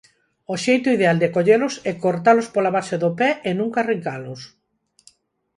O xeito ideal de collelos é cortalos pola base do pé e nunca arrincalos.